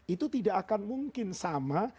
itu tidak akan mungkin sama